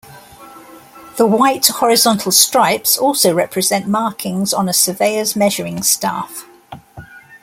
The white horizontal stripes also represent markings on a surveyor's measuring staff.